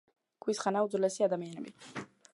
ქვის ხანა და უძველესი ადამიანები